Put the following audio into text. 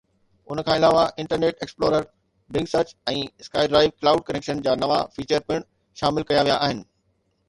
ان کان علاوه Internet Explorer, Bing search ۽ SkyDrive cloud connection جا نوان فيچر پڻ شامل ڪيا ويا آهن.